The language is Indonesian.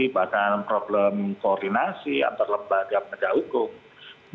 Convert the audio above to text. bahkan problem koordinasi antar lembaga penegak hukum